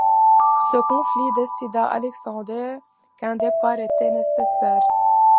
Ce conflit décida Alexander qu'un départ était nécessaire.